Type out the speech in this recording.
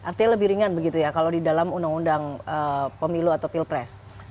artinya lebih ringan begitu ya kalau di dalam undang undang pemilu atau pilpres